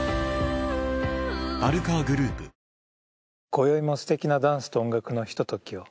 今宵もすてきなダンスと音楽のひとときを。